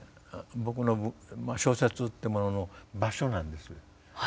僕の小説ってものの場所なんですよ。